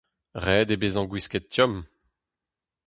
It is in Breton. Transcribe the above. Ret eo bezañ gwisket tomm.